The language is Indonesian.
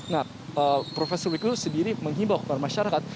nah prof wiku sendiri mengimbau kepada masyarakat